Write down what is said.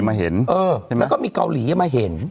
แล้วก็มีเกาหลีมาเห็น